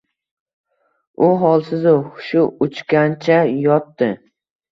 U holsizu hushi uchgancha yotdi.